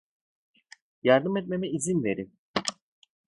Yardım etmeme izin verin.